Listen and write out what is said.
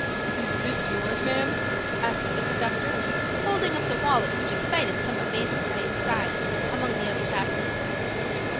"Is that yours, ma'am?" asked the conductor, holding up the wallet which excited some amazement, by its size, among the other passengers.